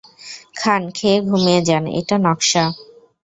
খান, খেয়ে ঘুমিয়ে যান এইটা নকশা।